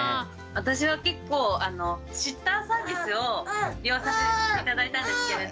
私は結構シッターサービスを利用させて頂いたんですけれど。